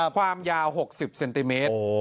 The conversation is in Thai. ความยาว๖๐เซนติเมตร